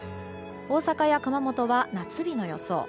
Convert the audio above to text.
大阪や熊本は夏日の予想。